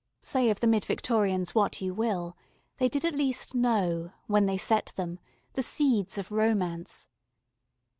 Say of the Mid Victorians what you will; they did at least know, when they set them, the seeds of Romance.